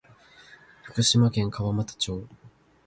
福島県川俣町